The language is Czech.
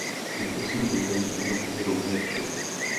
Jeho prsní ploutve jsou zhruba stejně dlouhé jako široké.